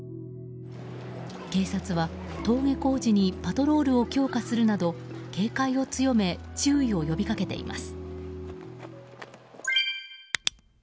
警察は登下校時にパトロールを強化するなど警戒を強め注意を呼び掛けています。